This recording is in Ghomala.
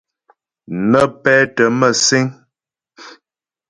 Nə́ pɛ́tə́ mə̂síŋ.